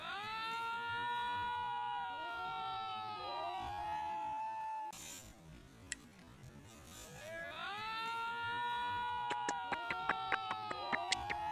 He was born in Motherwell, Lanarkshire.